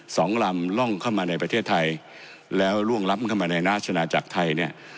สองลำล่องเข้ามาในประเทศไทยแล้วล่วงล้ำเข้ามาในราชนาจักรไทยเนี่ย